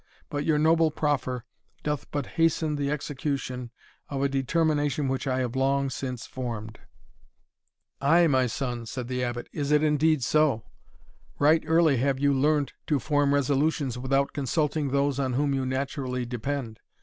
But your noble proffer doth but hasten the execution of a determination which I have long since formed." "Ay, my son," said the Abbot, "is it indeed so? right early have you learned to form resolutions without consulting those on whom you naturally depend.